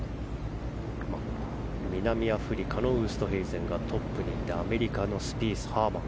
南アフリカのウーストヘイゼンがトップにいてアメリカのスピース、ハーマン。